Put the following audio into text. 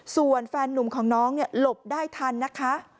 ส่วนแฟนนุ่มของน้องหลบได้ทันนะคะ